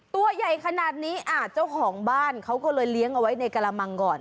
ตัวใหญ่ขนาดนี้เจ้าของบ้านเขาก็เลยเลี้ยงเอาไว้ในกระมังก่อน